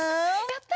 やった！